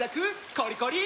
コリコリ！